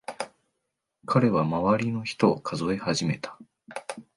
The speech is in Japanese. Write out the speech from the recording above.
彼は周りの人を数え始めた。